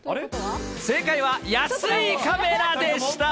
正解は安いカメラでした。